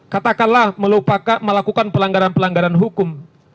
katakanlah melakukan pelanggaran pelanggaran hukum